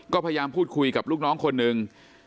ก็พยายามพูดคุยกับลูกน้องคนหนึ่ง